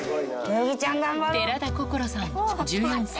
寺田心さん１４歳。